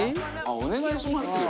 「お願いしますよ」